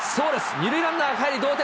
２塁ランナーがかえり、同点。